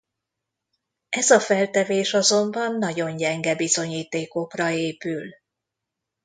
Ez a feltevés azonban nagyon gyenge bizonyítékokra épül.